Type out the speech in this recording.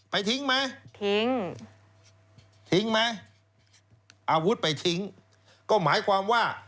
ไปทิ้งไหมทิ้งทิ้งไหมอาวุธไปทิ้งก็หมายความว่า